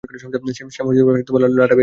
Sam Latvia থেকে এসেছে।